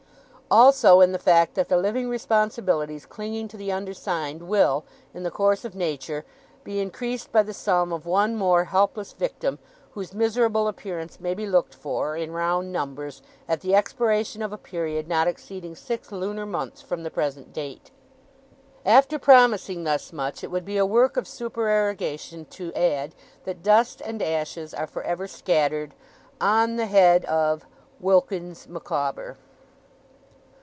Also, in the fact that the living responsibilities clinging to the undersigned will, in the course of nature, be increased by the sum of one more helpless victim; whose miserable appearance may be looked for in round numbers at the expiration of a period not exceeding six lunar months from the present date. 'After premising thus much, it would be a work of supererogation to add, that dust and ashes are for ever scattered 'On 'The 'Head 'Of 'WILKINS MICAWBER.